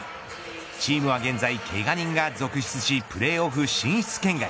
チームは現在けが人が続出しプレーオフ進出圏外。